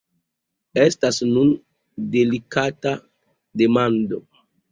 Estas nun delikata demando.